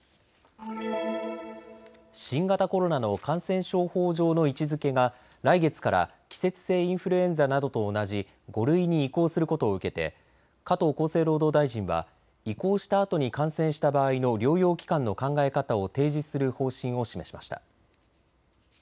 新型コロナの感染症法上の位置づけが来月から季節性インフルエンザなどと同じ５類に移行することを受けて加藤厚生労働大臣は移行したあとに感染した場合の療養期間の考え方を提示する方針を示しました。